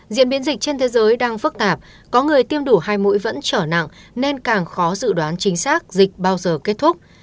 diễn biến dịch trên thế giới đang phức tạp có người tiêm đủ hai mũi vẫn trở nặng nên càng khó dự đoán chính xác dịch bao giờ kết thúc